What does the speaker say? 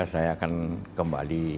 ya saya akan kembali